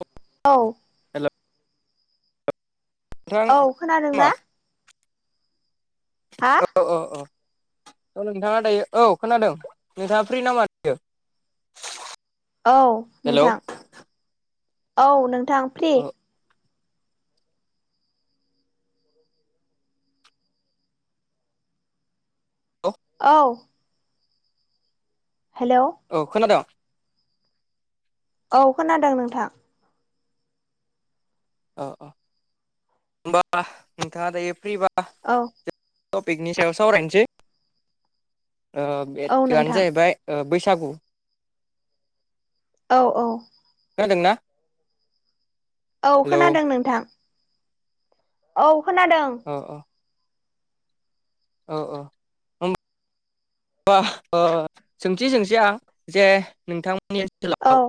[unintelligible] औ हेल' नोंथां औ मा खोनादोंना हा अ-अ औ नोंथाङा दायो औ खोनादों नोंथाङा फ्रि नामा दायो? औ हेलौ नोंथां औ नोंथां फ्रि औ औ औ हेलौ औ खोनादों औ खोनादों नोंथां औ अ होनबा नोंथाङा दायो फ्रिबा औ टपिकनि सायाव सावरायनोसै ओ बे औ थफिकयानो नोंथां जाहैबाय ओ बैसागु औ औ खोनादों ना औ खोनादों नोंथां औ खोनादों अ अ औ औ होम बा ओ सोंथि सोंथिया जे नोंथांमोननि औ ओनसोलाव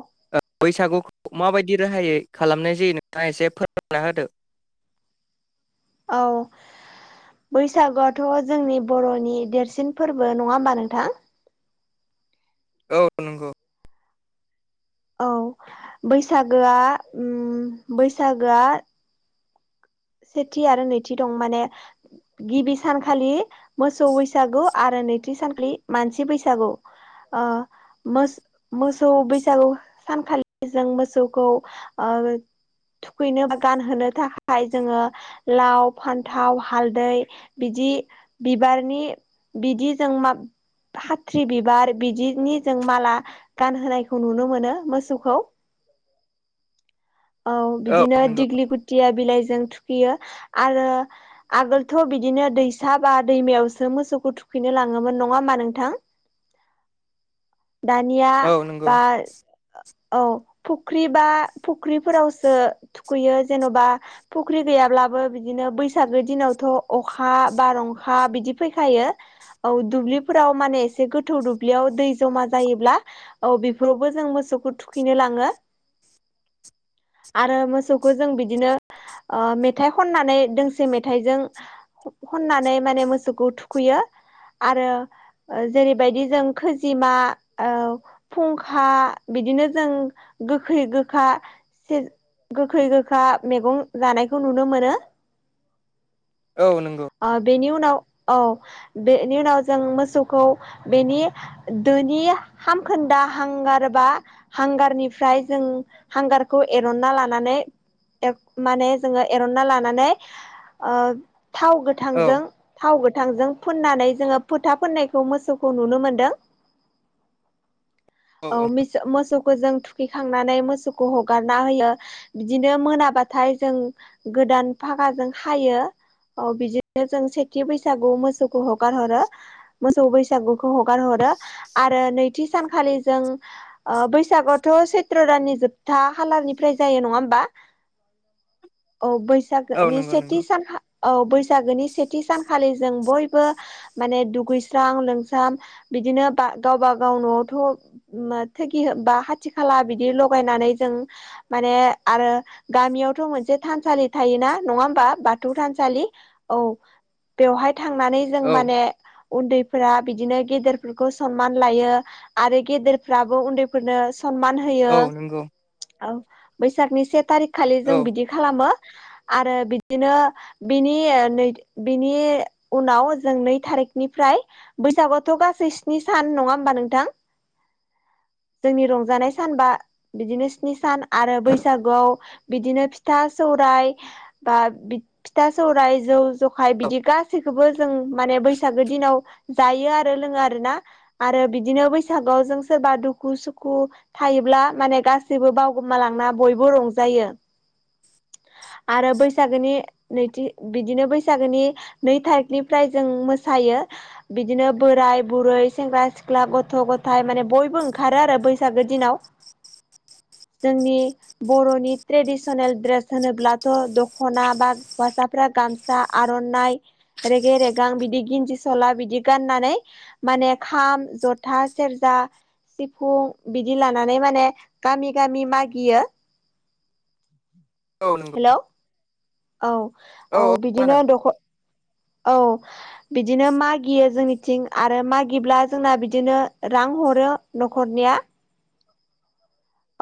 बैसागुखौ माबायदि राहायै खालामनाय जायो नोंथाङा एसे फोरमना होदो? औ बैसागुआथ' जोंनि बर'नि देरसिन फोरबो नङा होमबा नोंथां औ नंगौ औ बैसागोया ओम बैसागोया सेथि आरो नैथि दं माने गिबि सानखालि मोसौ बैसागु आरो नैथि सानखालि मानसि बैसागु आ मोसौ मोसौ बैसागु सानखालि जों मोसौखौ थुखैनो बा गानहोनो थाखाय जोङो लाव फानथाव हालदै बिदि बिबारनि बिदि जों मा काथ्रि बिबार बिदिनि जों माला गानहोनायखौ नुनो मोनो मोसौखौ औ बिदिनो दिग्लि गुथिया बिलाइजों थुखैयो आरो आगोलथ' बिदिनो दैसा बा दैमायावसो मोसौखौ थुखैनो लाङोमोन नङा हमबा नोंथां [unintelligible] दानिया औ नंगौ बा औ फुख्रि बा फु ख्रिफोरावसो थुखैयो जेन'बा फुख्रि गैयाब्लाबो बिदिनो बैसागो दिनावथ' अखा बार अखा बिदि फैखायो औ दुब्लिफोराव माने एसे गोथौ दुब्लियाव दै जमा जायोब्ला औ बेफोरावबो जों मोसौखौ थुखैनो लाङो आरो मोसौखौ जों बिदिनो मेथाइ खननानै दोंसे मेथाइजों खननानै माने मोसौखौ थुखैयो आरो जेरैबायदि जों खोजिमा औ फुंखा बिदिनो जों गोखै गोखा गोखै गोखा मैगं जानायखौ नुनो मोनो औ नंगौ ओ बेनि उनाव औ बेनि उनाव जों मोसौखौ बेनि दोनि हामखोनदा हांगारबा हांगारनिफ्राय जों हांगार खौ एरनना लानानै माने जोङो एरनना लानानै ओ थाव औ गोथांजों थाव गोथांजों फुननानै जोङो फोथा फोननायखौ मोसौखौ नुनो मोनदों। औ मोसौखौ जों थुखैखांनानै मोसौखौ हग हगारना होयो बिदिनो मोनाबाथाय जों गोदान फागाजों खायो। औ बिदिनो जों सेथि बैसागु मोसौखौ हगार हरो। मोसौ बैसागुखौ हगार हरो आरो नैथि सानखालि जों बैसागावथ' सैथ्र' दाननि जोब था खालारनिफ्राय जायो नङा होमबा औ बैसाग औ ओ नंगौ सेथि नंगौ सान औ बैसागोनि सेथि सानखालि जों बयबो माने दुगैस्रां लोंस्रां बिदिनो गावबा गाव न'आवथ' थोगि बा हाथि खाला बिदि लगायनानै जों माने आरो गामियावथ' मोनसे थानसालि थायोना नङा हमबा बाथौ थानसालि औ। बेवहाय थांनानै जों औ माने उन्दैफोरा बिदिनो गेदेरफोरखौ सनमान लायो। आरो गेदेरफ्राबो उन्दैफोरनो सनमान होयो। औ नंगौ। औ बैसागनि से थारिख खालि जों औ बिदि खालामो आरो बिदिनो बिनि ओ नै बिनि उनाव जों नै थारिखनिफ्राय बैसागुथ' गासै स्नि सान नङा होनबा नोंथां। जोंनि रंजानाय सानबा बिदिनो स्नि सान आरो बैसागुआव बिदिनो फिथा, सौराइ बा बि फिथा सौराय जौ जखाय बिदि गासै गासैखौबो जों माने बैसागो दिनाव जायो आरो लोङो आरो ना। आरो बिदिनो बैसागुआव जों सोरबा दुखु सुखु थायोब्ला माने गासैबो जेबो बावउगोमालांना बयबो रंजायो आरो बैसागोनि नैथि बिदिनो बैसागोनि नै थारिखनिफ्राय जों मोसायो। बिदिनो बोराय बुरै सेंग्रा सिख्ला गथ' गथाय माने बयबो ओंखारो आरो बैसागो दिनाव। जोंनि बर'नि ट्रेडिसनेल ड्रेस होनोब्लाथ' दखना बा हौवासाफ्रा गामसा फस्रा आर'नाइ रेगे रेगां बिदि गिन्दि सला बिदि गाननानै। माने खाम जथा सेरजा सिफुं बिदि लानानै माने। गामि गामि मागियो। औ नंगौ। हेल' औ औ बिदिनो दख- औ बिदिनो मागियो जोंनिथिं आरो मागिब्ला जोंना बिदिनो रां हरो न'खरनिया।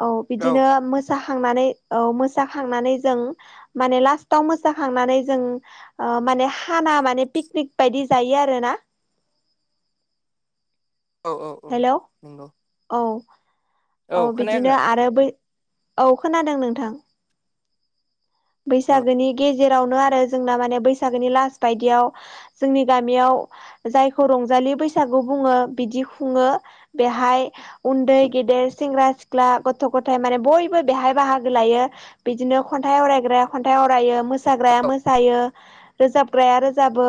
औ बिदिनो मोसाखांनानै औ मोसाखांनानै जों। माने लास्टाव मोसाखांनानै जों माने हाना माने पिकनिक बायदि जायो आरो ना? औ औ औ हेलौ नंगौ। औ औ बिदिनो आरो बै औ खोनादों नोंथां। औ बैसागोनि गेजेरावनो आरो जोंना माने बैसागोनि लास बायदियाव जोंनि गामियाव जायखौ रंजालि बैसागु बुङो बिदि खुङो। बेहाय उन्दै गेदेर सेंग्रा सिख्ला गथ' गथाय माने बयबो बेहाय बाहागो लायो। बिदिनो खन्थाइ आरायनाय ग्राया खन्थाइ आरायो मोसाग्राया मोसायो रोजाबग्राया रोजाबो।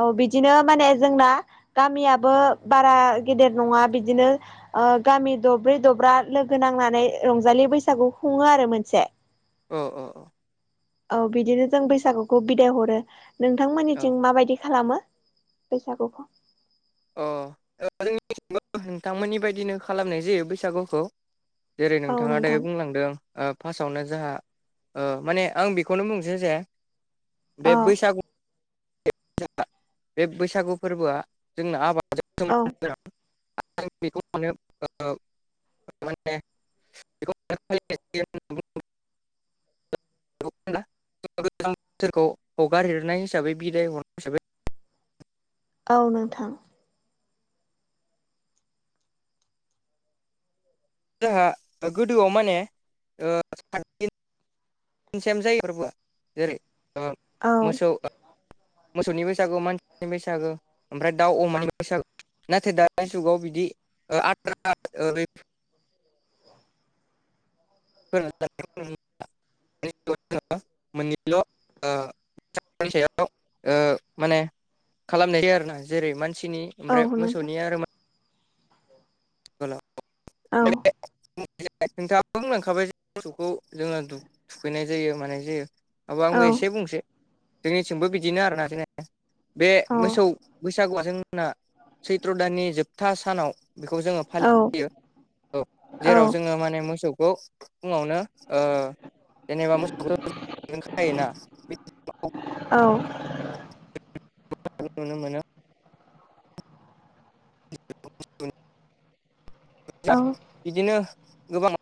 औ बिदिनो माने जोंना गामियाबो बारा गेदेर नङा बिदिनो गामि दब्रै दब्रा लोगो नांनानै रंजालि बैसागु खुङो आरो मोनसे अ अ। औ बिदिनो जों बैसागुखौ बिदाय हरो औ औ नोंथांमोननिथिं माबादि खालामो? बैसागुखौ अ जोंनि नोंथांमोननि बायदिनो खालामनाय जायो बैसागुखौ जेरै औ नोंथाङा नोंथां दायो बुंलांदों फार्स्टआवनो जों माने आं बेखौनो बुंसै जे औ बे बैसागु बे बैसागु फोरबोआ जोंना आबाद औ आं बेखौ मानो माने [unintelligible] [inaudible] फोरखौ हगारहेरनाय हिसाबै बिदाय हरनाय हिसाबै औ नोंथां जोंहा गोदोआव माने नसेम जायोफोरबोआ जेरै औ मोसौ मोसौनि बैसागु मानसिनि बैसागो ओमफ्राय दाउ अमानि बैसागु नाथाय दानि जुगाव बिदि आद्रा ओरै [unintelligible] मोननैल फराय सायाव माने खालामनाय जायो आरो ना जेरै मानसिनि औ ओमफ्राय नोंथां मोसौनिया आरो [unintelligible] औ नोंथाङा बुंलांखाबाय ज मोसौखौ जों थुखैनाय जायो मानाय जायो ओ औ आंबो एसे बुंसै जोंनिथिंबो बिदिनो आरोना जा बे औ मोसौ बैसागुआ जोंना सैथ्र' दाननि जोबथा सानाव बेखौ जोङो फयो औ औ जेराव जोङो माने मोसौखौ फुङावनो जेनेबा मोसौखौ खायोना बेखौ औ नुनो मोनो [unintelligible] औ बिदिनो गोबां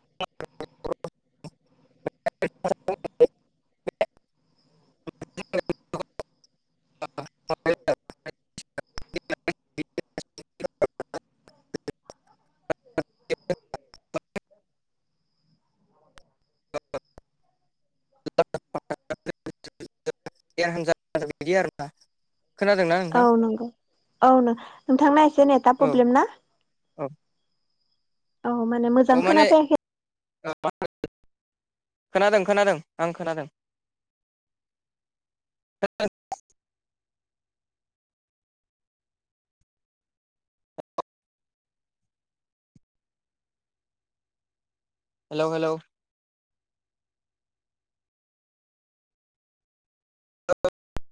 [unintelligible] खोनादोंना औ नोंथां नंगौ औनो नोंथांना एसे नेटा औ प्रब्लेम ना औ औ माने मोजां माने खोनाफैयाखै औ खोनादों खोनादों आं खोनादों [inaudible] हेल' हेल' [unintelligible]